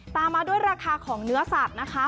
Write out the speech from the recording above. ตามมาด้วยราคาของเนื้อสัตว์นะคะ